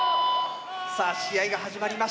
さあ試合が始まりました。